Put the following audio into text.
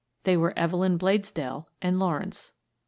They were Evelyn Blades dell and Lawrence.